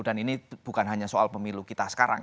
dan ini bukan hanya soal pemilu kita sekarang